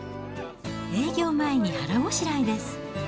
営業前に腹ごしらえです。